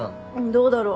どうだろう。